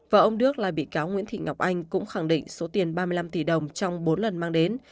và ông đức là bị cáo nguyễn thị ngọc anh cũng khẳng định số tiền ba mươi năm tỷ đồng trong bốn lần mang đến